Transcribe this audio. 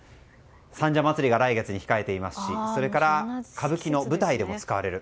三社祭が来月に控えていますしそれから歌舞伎の舞台でも使われる。